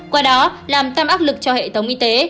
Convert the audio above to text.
qua đó làm tăm ác lực cho hệ thống y tế